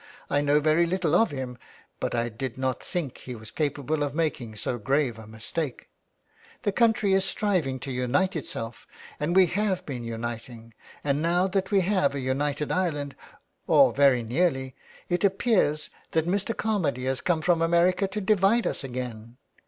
I know very little of him, but I did not think he was capable of making so grave a mistake. The country is striving to unite itself, and we have been uniting, and now that we have a united Ireland, or very nearly, it appears that Mr. Carmady has come from America to divide us again.